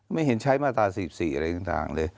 ไม่เห็นใช้มาตรา๑๔อะไรอย่างต่าง